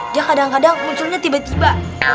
dia kadang kadang munculnya tiba tiba